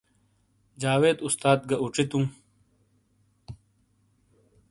جاوید استاد گہ اوچیتوں۔